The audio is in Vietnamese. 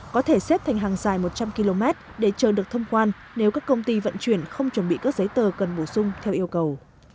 có thể xếp thành hàng dài một trăm linh km để chờ được thông quan nếu các công ty vận chuyển không chuẩn bị các giấy tờ cần bổ sung theo yêu cầu